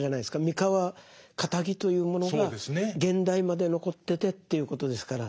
三河かたぎというものが現代まで残っててということですから。